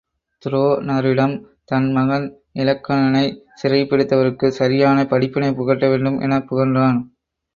துரோணரிடம் தன் மகன் இலக்கணனைச் சிறைப் பிடித்தவர்கட்குச் சரியான படிப்பினை புகட்டவேண்டும் எனப் புகன்றான்.